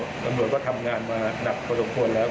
กำหนวดก็ทำงานมาหนักพระสมปฏิแล้ว